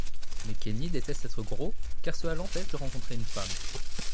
Mais Kenny déteste être gros, car cela l'empêche de rencontrer une femme.